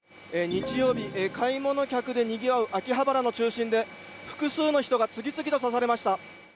日曜日、買い物客でにぎわう秋葉原の中心で複数の人が次々と刺されました。